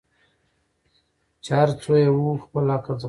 چي هر څو یې وو خپل عقل ځغلولی